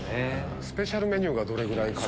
スペシャルメニューがどれくらいか。